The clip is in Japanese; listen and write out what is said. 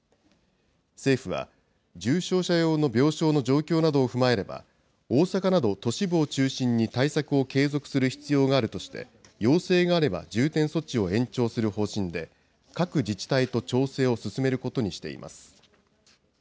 政府は、重症者用の病床の状況などを踏まえれば、大阪など都市部を中心に対策を継続する必要があるとして、要請があれば、重点措置を延長する方針で、各自治体と調整を進めることにしています。